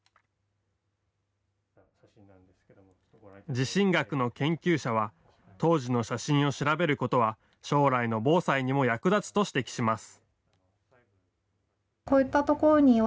地震学の研究者は当時の写真を調べることは将来の防災にも役立つと指摘します。